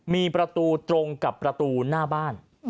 มีประตูตรงกับประตูหน้าบ้าน